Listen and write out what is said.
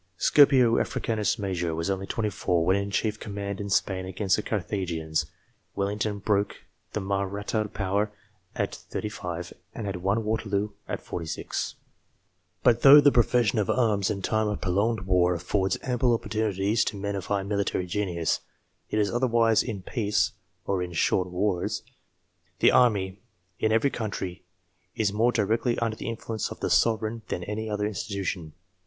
Scipio Africanus Major was only 24 when in chief command in Spain against the Carthaginians. Wellington broke the Mahratta power set. 35, and had won Waterloo set. 46. But though the profession of arms in time of prolonged war affords ample opportunities to men of high military genius, it is otherwise in peace, or in short wars. The army, in every country, is more directly under the influ ence of the sovereign than any other institution.